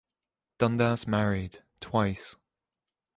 Dundas married, twice.